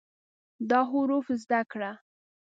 دا حروف زده کړه